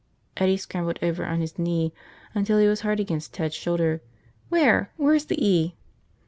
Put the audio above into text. Eddie scrambled over on his knees until he was hard against Ted's shoulder. "Where? Where's the E?"